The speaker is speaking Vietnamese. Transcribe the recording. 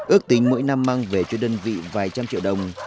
ước tính mỗi năm mang về cho đơn vị vài trăm triệu đồng